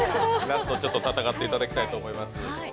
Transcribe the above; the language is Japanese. ラスト、戦っていただきたいと思います。